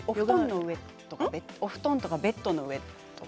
お布団とかベッドの上は？